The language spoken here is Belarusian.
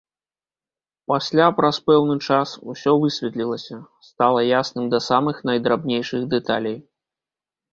Пасля, праз пэўны час, усё высветлілася, стала ясным да самых найдрабнейшых дэталей.